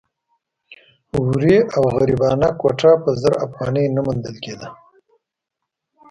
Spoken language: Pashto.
ورې او غریبانه کوټه په زر افغانۍ نه موندل کېده.